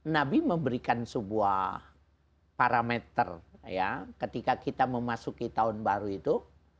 nabi memberikan sebuah parameter ketika kita memasuki tahun baru itu